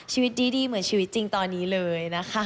ชีวิตดีเหมือนชีวิตจริงตอนนี้เลยนะคะ